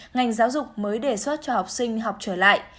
ngành giáo dục mới đề xuất cho học sinh học trở lại